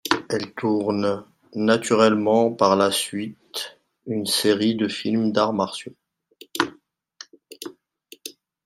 Elle tourne naturellement par la suite une série de films d'arts martiaux.